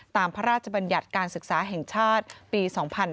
พระราชบัญญัติการศึกษาแห่งชาติปี๒๕๕๙